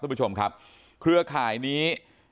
คุณผู้ชมครับเครือข่ายนี้